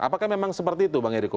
apakah memang seperti itu bang eriko